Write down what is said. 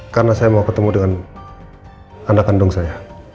karena saya mau ketemu dengan anak kandung saya